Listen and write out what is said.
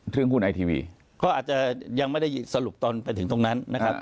หุ้นไอทีวีก็อาจจะยังไม่ได้สรุปตอนไปถึงตรงนั้นนะครับ